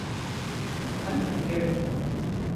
Time I did.